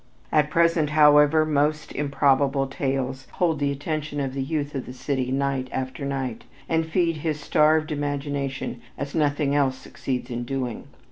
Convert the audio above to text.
At present, however, most improbable tales hold the attention of the youth of the city night after night, and feed his starved imagination as nothing else succeeds in doing.